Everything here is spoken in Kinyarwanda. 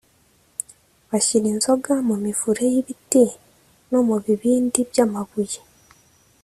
bashyira inzoga mu mivure y’ibiti no mu bibindi by’amabuye